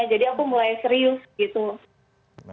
jadi aku mulai serius gitu